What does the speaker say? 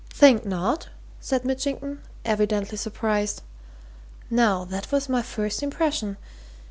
"Think not?" said Mitchington, evidently surprised. "Now, that was my first impression.